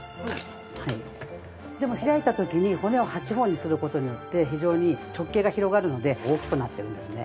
でも開いた時に骨を８本にする事によって非常に直径が広がるので大きくなってるんですね。